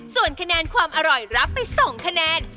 ส่วนคะแนนความอร่อยรับไป๒คะแนน